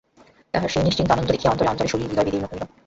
তাহার সেই নিশিন্ত আনন্দ দেখিয়া অন্তরে অন্তরে শরীর হৃদয় বিদীর্ণ হইল।